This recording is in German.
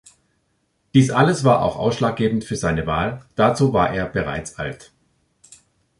Dies alles war auch ausschlaggebend für seine Wahl, dazu war er bereits alt.